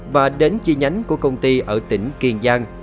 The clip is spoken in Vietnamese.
và đến chi nhánh của công ty ở tỉnh kiên giang